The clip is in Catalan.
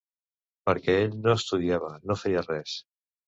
Perquè ell no estudiava, no feia res.